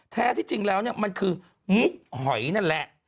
แท้ที่จริงแล้วเนี่ยมันคือมุกหอยนั่นแหละ